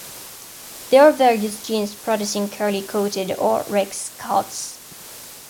There are various genes producing curly coated or "rex" cats.